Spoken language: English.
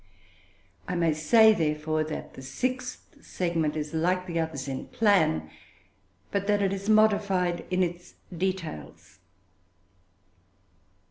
I may say, therefore, that the sixth segment is like the others in plan, but that it is modified in its details.